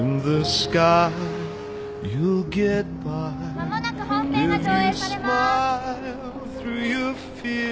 間もなく本編が上映されます。